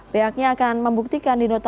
pihaknya akan membuktikan di nota